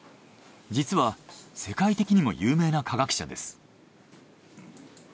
実は世界的にも有名な化学者です。